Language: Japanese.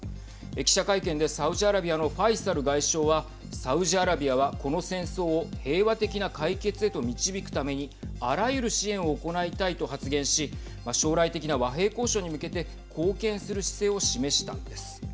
記者会見でサウジアラビアのファイサル外相はサウジアラビアはこの戦争を平和的な解決へと導くためにあらゆる支援を行いたいと発言し将来的な和平交渉に向けて貢献する姿勢を示したんです。